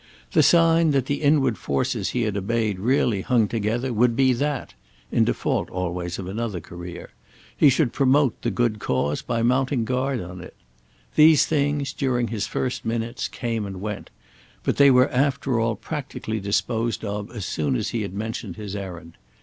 The sign that the inward forces he had obeyed really hung together would be that—in default always of another career—he should promote the good cause by mounting guard on it. These things, during his first minutes, came and went; but they were after all practically disposed of as soon as he had mentioned his errand.